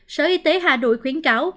sở y tế hà nội khuyến cáo